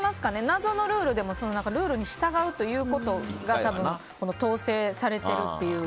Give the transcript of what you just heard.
謎のルールでもルールに従うということが統制されているという。